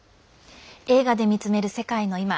「映画で見つめる世界のいま」。